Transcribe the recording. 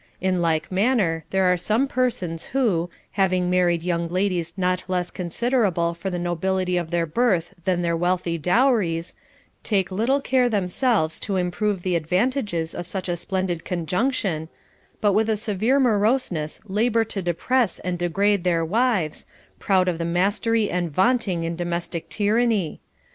In like manner there are CONJUGAL PRECEPTS. 489 some persons who, having married young ladies not less considerable for the nobility of their birth than their wealthy dowries, take little care themselves to improve the advan tages of such a splendid conjunction, but with a severe moroseness labor to depress and degrade their wives, proud of the mastery and vaunting in domestic tyranny.